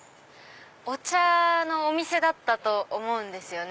お茶のお店だったと思うんですよね。